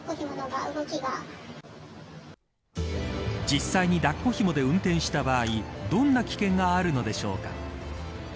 実際に抱っこひもで運転した場合どんな危険があるのでしょうか。